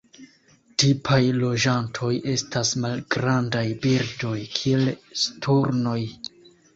Tipaj loĝantoj estas malgrandaj birdoj kiel sturnoj.